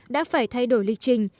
đã phải thay đổi lịch trình